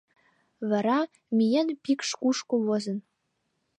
Вара, миен пикш кушко возын